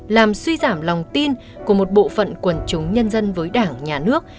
làm suy giảm lòng tin của một bộ phận quần chúng nhân dân với đảng nhà nước